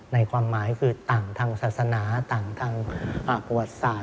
ในความหมายคือต่างทางศาสนาต่างทางประวัติศาสต